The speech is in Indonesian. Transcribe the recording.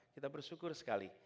kita bersyukur sekali